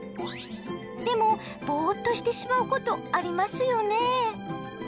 でもボーっとしてしまうことありますよね？